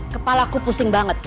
kepala aku pusing banget